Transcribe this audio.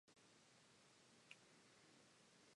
It noted that the Supreme Court had cited him twelve times.